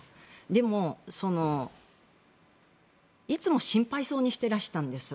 でも、いつも心配そうにしていらしたんです。